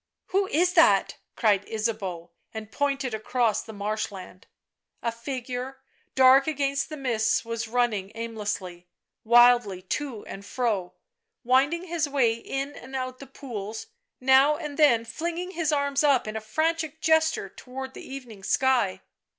" Who is that ?" cried Ysabeau, and pointed across the marsh land. A figure, dark against the mists, was running aimlessly, wildly to and fro, winding his way in and out the pools, now and then flinging his arms up in a frantic gesture towards the evening sky.